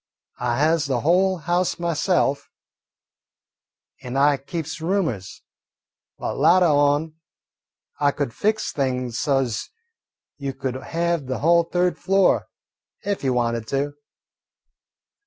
I has the whole house myself, and I keeps roomers. But latah on I could fix things so 's you could have the whole third floor ef you wanted to.